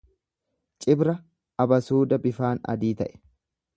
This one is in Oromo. Cibra abasuuda bifaan adii ta'e.